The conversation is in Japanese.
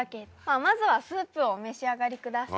まずはスープをお召し上がりください。